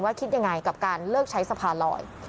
คิดยังไงกับการเลิกใช้สะพานลอย